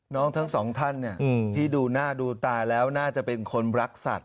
ทั้งสองท่านที่ดูหน้าดูตาแล้วน่าจะเป็นคนรักสัตว